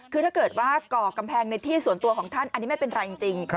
คือถ้าเกิดว่าก่อกำแพงในที่ส่วนตัวของท่านอันนี้ไม่เป็นไรจริง